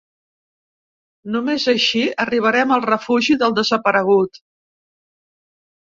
Només així arribarem al refugi del desaparegut.